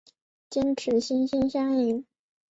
坚持心心相印。